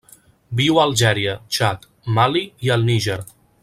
Viu a Algèria, Txad, Mali i el Níger.